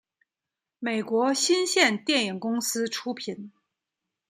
美国新线电影公司出品。